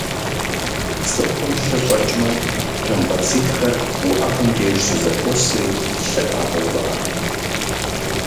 Цӏыхум лъы щӏэкӏмэ, тромбоцитхэр уӏэгъэм деж щызэхуосри, лъыр къагъэувыӏэ.